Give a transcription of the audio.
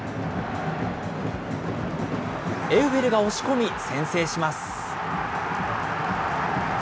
エウベルが押し込み、先制します。